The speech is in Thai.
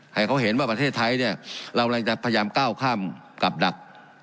ให้เขาเห็นว่าประเทศไทยเนี่ยเรากำลังจะพยายามก้าวข้ามกับดัก